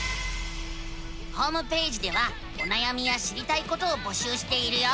ホームページではおなやみや知りたいことを募集しているよ。